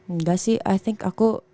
enggak sih i think aku